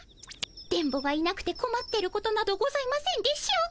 電ボがいなくてこまってることなどございませんでしょうか。